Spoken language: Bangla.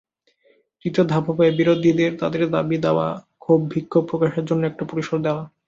তৃতীয় ধাপ হবে, বিরোধীদের তাদের দাবি-দাওয়া, ক্ষোভ-বিক্ষোভ প্রকাশের জন্য একটা পরিসর দেওয়া।